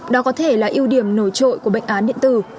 đó có thể là ưu điểm nổi trội của bệnh án điện tử